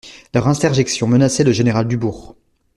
Leurs interjections menaçaient le général Dubourg.